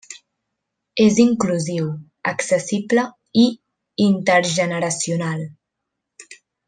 És inclusiu, accessible i intergeneracional.